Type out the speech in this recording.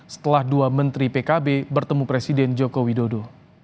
setelah dua menteri pkb bertemu presiden joko widodo